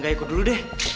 gak ikut dulu deh